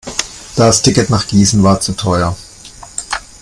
Das Ticket nach Gießen war zu teuer